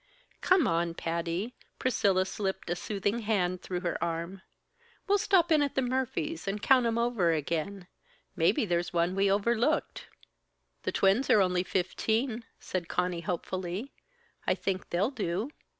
"Come on, Patty," Priscilla slipped a soothing hand through her arm, "we'll stop in at the Murphys' and count 'em over again. Maybe there's one we overlooked." "The twins are only fifteen," said Conny hopefully. "I think they'll do."